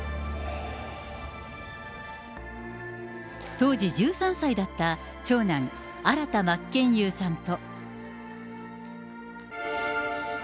当時１３歳だった長男、新田真剣佑さんと。